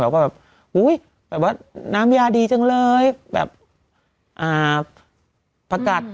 ว่าแบบอุ้ยแบบว่าน้ำยาดีจังเลยแบบอ่าประกัด